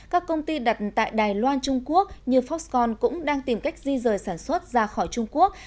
các công ty đặt tại đài loan trung quốc như foxcon cũng đang tìm cách di rời sản xuất ra khỏi trung quốc